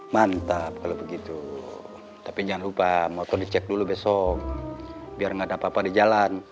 mantap kalau begitu tapi jangan lupa motor dicek dulu besok biar nggak ada apa apa di jalan